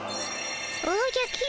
おじゃ公。